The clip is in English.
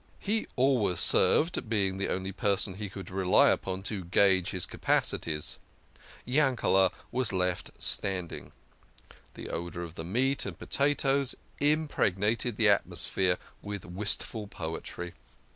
He always served, being the only person he could rely upon to gauge his capacities. Yankel6 was left stand ing. The odour of the meat and potatoes impregnated the atmosphere with wistful poetry.